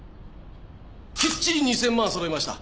きっちり２０００万揃いました。